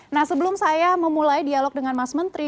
nah sebelum saya memulai dialog dengan mas menteri